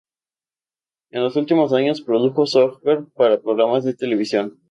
En los últimos años, produjo software para programas de televisión.